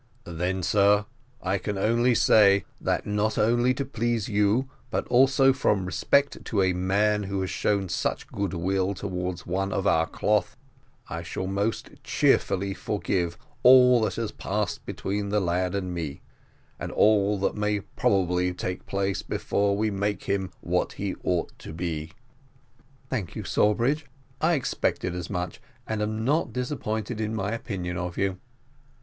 "Then, sir, I can only say, that not only to please you, but also from respect to a man who has shown such goodwill towards one of our cloth, I shall most cheerfully forgive all that has passed between the lad and me, and all that may probably take place before we make him what he ought to be." "Thank you, Sawbridge; I expected as much, and am not disappointed in my opinion of you."